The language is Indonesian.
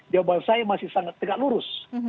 jawaban saya masih sangat tegak lurus